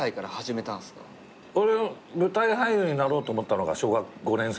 俺舞台俳優になろうと思ったのが小学５年生。